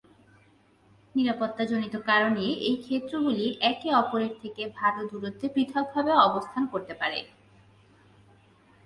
নিরাপত্তাজনিত কারণে এই ক্ষেত্রগুলি একে অপর থেকে ভাল দূরত্বে পৃথকভাবে অবস্থান করতে পারে।